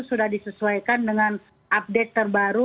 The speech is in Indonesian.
sudah disesuaikan dengan update terbaru